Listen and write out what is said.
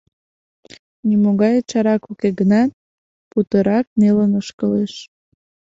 Нимогай чарак уке гынат, путырак нелын ошкылеш.